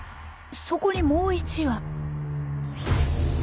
そこにもう一羽。